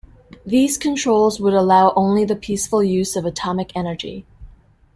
These controls would allow only the peaceful use of atomic energy.